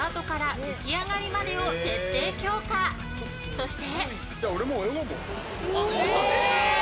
そして。